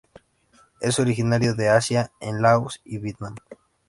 Es originario de Asia en Laos y Vietnam.